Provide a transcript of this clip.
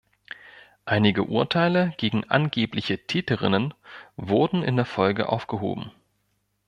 Einige Urteile gegen angebliche Täterinnen wurden in der Folge aufgehoben.